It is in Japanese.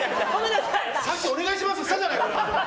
さっきお願いしますって言ったじゃないかよ！